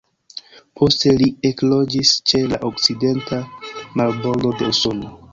Poste li ekloĝis ĉe la okcidenta marbordo de Usono.